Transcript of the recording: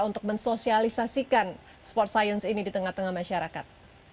untuk mensosialisasikan sport science ini di tengah tengah masyarakat